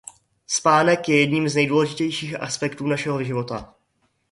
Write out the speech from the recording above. Spánek je jedním z nejdůležitějších aspektů našeho života.